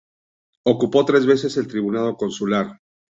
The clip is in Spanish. Ocupó tres veces el tribunado consular.